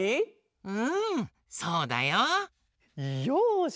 うんそうだよ。よし！